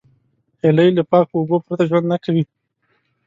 هیلۍ له پاکو اوبو پرته ژوند نه کوي